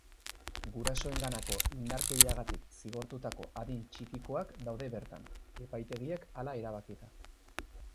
Gurasoenganako indarkeriagatik zigortutako adin txikikoak daude bertan, epaitegiek hala erabakita.